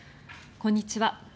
こんにちは。